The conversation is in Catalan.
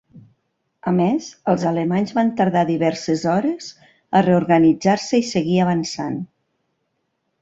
A més, els alemanys van tardar diverses hores a reorganitzar-se i seguir avançant.